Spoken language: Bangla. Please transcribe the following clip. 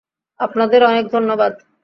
আপনাদের অনেক ধন্যবাদ।